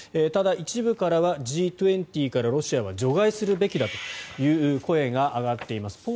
ただ、一部からはＧ２０からロシアは除外すべきだという声が上がっています。